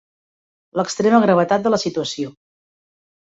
L'extrema gravetat de la situació.